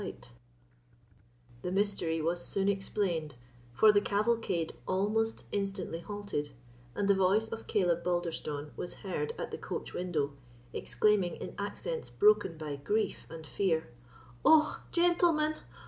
The mystery was soon explained; for the cavalcade almost instantly halted, and the voice of Caleb Balderstone was heard at the coach window, exclaiming, in accents broken by grief and fear, "Och, gentlemen!